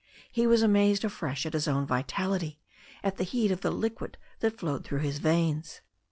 He was amazed afresh at his own vitality, at the heat of the liquid that flowed through his veins.